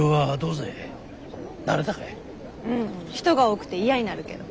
人が多くて嫌になるけど。